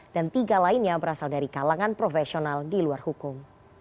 dan tiga lainnya berasal dari kalangan profesional di luar hukum